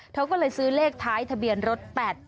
เธอก็เลยซื้อเลขท้ายทะเบียนรถ๘๗